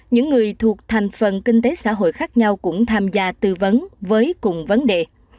những người thuộc thành phần kinh tế xã hội khác nhau cũng tham gia tư vấn với cùng vấn đề